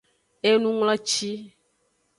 Enungloci.